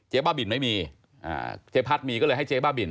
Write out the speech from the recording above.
บ้าบินไม่มีเจ๊พัดมีก็เลยให้เจ๊บ้าบิน